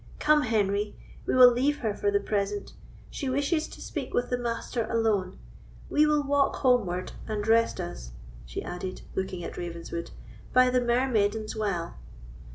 Come, Henry, we will leave her for the present; she wishes to speak with the Master alone. We will walk homeward, and rest us," she added, looking at Ravenswood, "by the Mermaiden's Well."